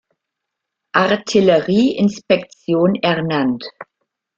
Artillerie-Inspektion ernannt.